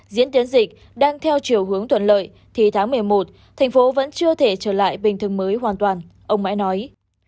dịch đang theo chiều hướng tuần lợi thì tháng một mươi một thành phố vẫn chưa thể trở lại bình thường mới hoàn toàn ông mai nói